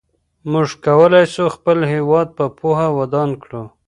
موږ کولای سو خپل هېواد په پوهه ودان کړو.